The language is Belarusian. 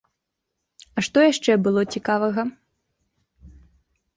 А што яшчэ было цікавага?